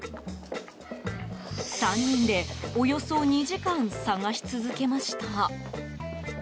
３人でおよそ２時間探し続けました。